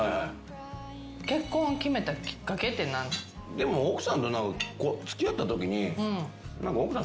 でも奥さんと付き合ったときに。